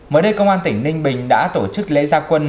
mới đây công an tỉnh ninh bình đã tổ chức lễ gia quân